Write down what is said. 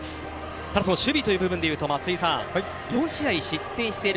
ただ、守備という部分でいうと松井さん４試合、失点している。